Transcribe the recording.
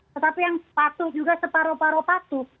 tetapi yang patuh juga separuh paruh patuh